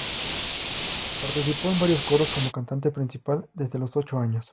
Participó en varios coros como cantante principal desde los ocho años.